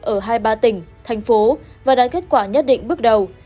ở hai ba tỉnh thành phố và đánh kết quả nhất định bước đầu